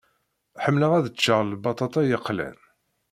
Ḥemmleɣ ad ččeɣ lbaṭaṭa yeqlan.